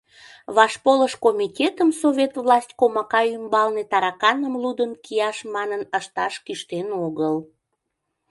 Вашполыш комитетым совет власть комака ӱмбалне тараканым лудын кияш манын ышташ кӱштен огыл.